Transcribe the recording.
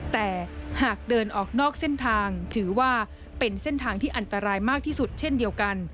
แต่หากเดินออกนอกเส้นทางถือว่าเป็นเส้นทางที่อันตรายมากที่สุดเช่นเดียวกัน